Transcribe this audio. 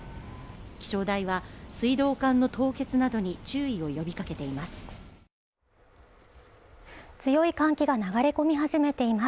気象台は水道管の凍結などに注意を呼びかけています